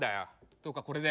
どうかこれで。